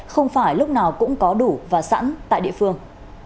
không phải lúc nào cũng có đủ và sẵn tại địa phương